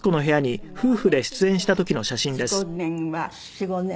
４５年は。